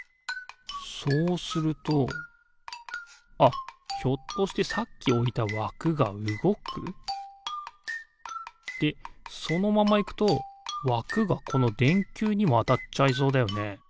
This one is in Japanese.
そうするとあっひょっとしてさっきおいたわくがうごく？でそのままいくとわくがこのでんきゅうにもあたっちゃいそうだよね。